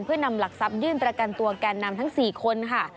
เพื่อนำหลักทรัพยื่นประกันตัวแกนนำทั้ง๔คนค่ะ